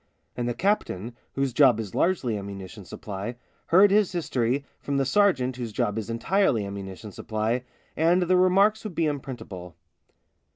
And the captain, whose job is largely ammunition supply, heard his history from the sergeant whose job is entirely ammunition supply, and their re marks would be unprintable.